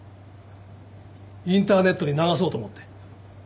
インターネットに流そうと思って。